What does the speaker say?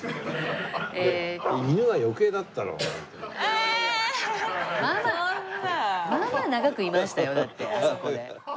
えー！まあまあ長くいましたよだってあそこで。